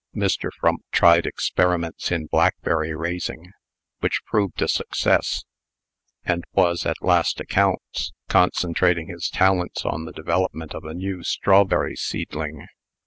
Mr. Frump tried experiments in blackberry raising, which proved a success, and was, at last accounts, concentrating his talents on the development of a new strawberry seedling.